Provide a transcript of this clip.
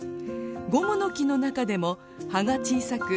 ゴムノキの中でも葉が小さく